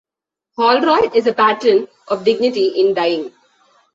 Holroyd is a patron of Dignity in Dying.